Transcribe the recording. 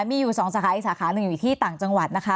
มีอยู่๒สาขาอีกสาขาหนึ่งอยู่ที่ต่างจังหวัดนะคะ